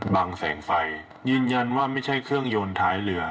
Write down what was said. แสงไฟยืนยันว่าไม่ใช่เครื่องยนต์ท้ายเรือ